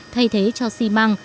thay thế cho xi măng